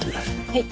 はい。